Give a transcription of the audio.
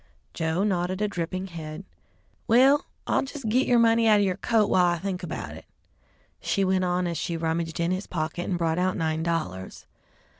Joe nodded a dripping head. "Well, I'll jes' git yer money out of yer coat while I think about it," she went on as she rummaged in his pocket and brought out nine dollars.